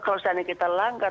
kalau kita langgar